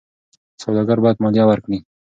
سوداګر باید مالیه ورکړي.